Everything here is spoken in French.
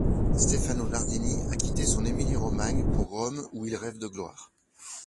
Stefano Nardini a quitté son Émilie-Romagne pour Rome où il rêve de gloire.